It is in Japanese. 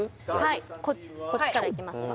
はいこっちからいきますか？